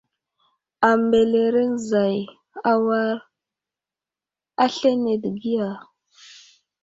A mbelereŋ zay awar aslane dəgiya.